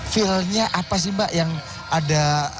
feelnya apa sih mbak yang ada